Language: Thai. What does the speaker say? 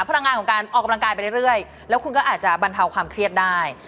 พลังงานของการออกกำลังกายไปเรื่อยแล้วคุณก็อาจจะบรรเทาความเครียดได้